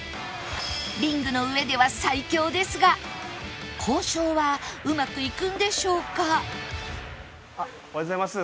リングの上では最強ですが交渉はうまくいくんでしょうか？